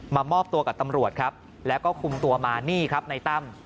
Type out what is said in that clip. มอบตัวกับตำรวจครับแล้วก็คุมตัวมานี่ครับในตั้ม